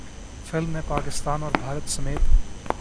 film نے پاکستان اور بھارت سمیت